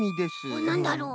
おっなんだろう？